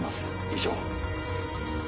以上。